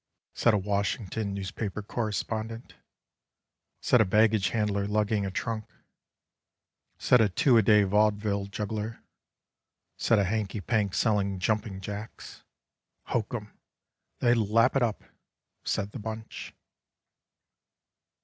Said a Washington newspaper correspondent, Said a baggage handler lugging a trunk, Said a two a day vaudeville juggler, Said a hanky pank selling jumping jacks. *' Hokum — they lap it up," said the bunch.